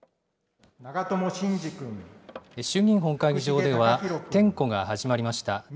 衆議院本会議場では点呼が始まりました。